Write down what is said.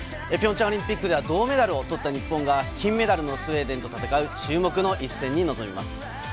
ピョンチャンオリンピックでは銅メダルを取った日本が金メダルのスウェーデンと戦う注目の一戦に臨みます。